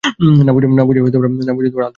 না বুঝে আলতু-ফালতু বকছ তুমি।